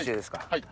はい。